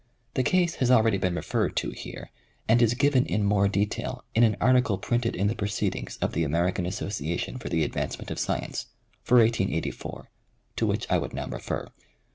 The case has already been referred to here and is given in more detail in an article printed in the proceedings of the American Association for the Advancement of Science, for 1884, to which I would now refer.